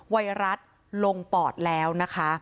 ไวรัสลงปอดแล้วนะคะ